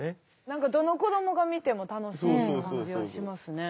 何かどの子どもが見ても楽しめる感じがしますね。